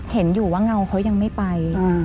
เห็นอยู่ว่าเงาเขายังไม่ไป